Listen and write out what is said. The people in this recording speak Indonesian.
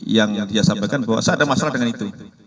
yang dia sampaikan bahwa saya ada masalah dengan itu